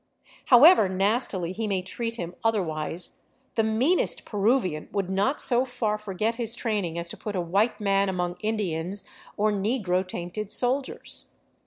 However nastily he may treat him otherwise, the meanest Peruvian would not so far forget his training as to put a white man among Indians or negro tainted soldiers.